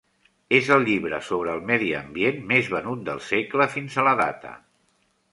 És el llibre sobre el medi ambient més venut del segle fins a la data.